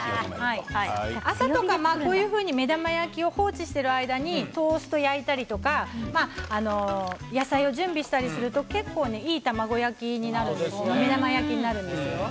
朝とかこういうふうに目玉焼きを放置している間にトーストを焼いたりとか野菜を準備したりすると結構いい目玉焼きになるんですよ。